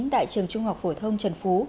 tại trường trung học phổ thông trần phú